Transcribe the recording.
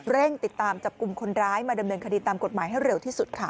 เร่งติดตามจับกลุ่มคนร้ายมาดำเนินคดีตามกฎหมายให้เร็วที่สุดค่ะ